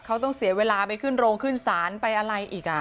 เขาต้องเสียเวลาไปขึ้นโรงขึ้นศาลไปอะไรอีก